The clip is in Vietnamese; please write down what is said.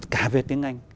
cả viết tiếng anh